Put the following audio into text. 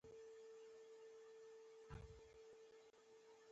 بوسوانیا هېواد متل وایي دروغجن تل بد دي.